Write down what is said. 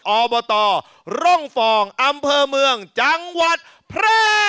อบตร่มฟองอำเภอเมืองจังหวัดแพร่